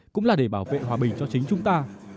cũng là để bảo vệ hòa bình cho chính chúng ta